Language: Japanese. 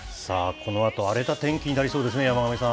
このあと荒れた天気になりそうですね、山神さん。